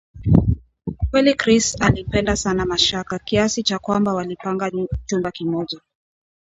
kweli Chris alimpenda sana Mashaka kiasi cha kwamba walipanga chumba kimoja